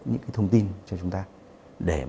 như thế nào